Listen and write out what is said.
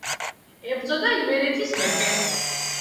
ებრძოდა იმერეთის მეფეს.